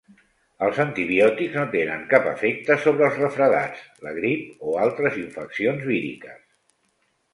Els antibiòtics no tenen cap efecte sobre els refredats, la grip o altres infeccions víriques.